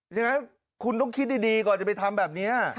อย่างนั้นคุณต้องคิดดีก่อนจะไปทำแบบนี้